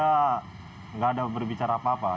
tidak ada berbicara apa apa